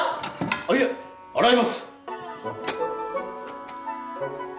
いえ洗います